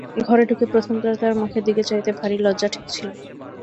ঘরে ঢুকে প্রথমটা তাঁর মুখের দিকে চাইতে ভারি লজ্জা ঠেকছিল।